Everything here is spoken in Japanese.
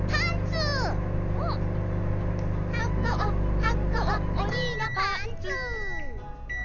「はこうはこうおにのパンツ」